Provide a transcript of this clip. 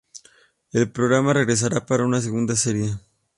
El programa regresará para una segunda serie.